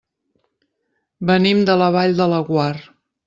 Venim de la Vall de Laguar.